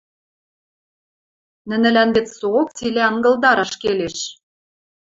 Нӹнӹлӓн вет соок цилӓ ынгылдараш келеш.